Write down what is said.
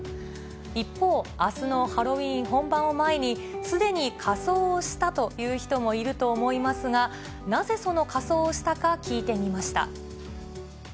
一方、あすのハロウィーン本番を前に、すでに仮装をしたという人もいると思いますが、なぜその仮装をしたか、聞いてみました。